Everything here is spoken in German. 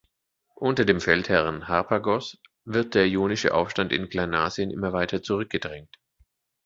Unter dem Feldherren Harpagos wird der Ionische Aufstand in Kleinasien immer weiter zurückgedrängt.